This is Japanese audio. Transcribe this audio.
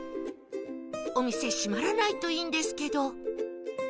お店閉まらないといいんですけど